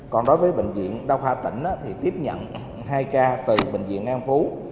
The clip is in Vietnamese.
còn đối với bệnh viện đa khoa tỉnh thì tiếp nhận hai ca từ bệnh viện an phú